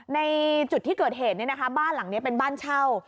ในจุดที่เกิดเหตุบ้านหลังนี้เป็นบ้านเช่า